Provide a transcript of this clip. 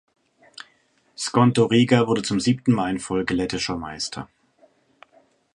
Skonto Riga wurde zum siebten Mal in Folge lettischer Meister.